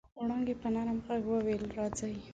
وړانګې په نرم غږ وويل راځئ.